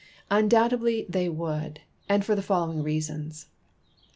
Undoubtedl}^ they would, and for the following reasons.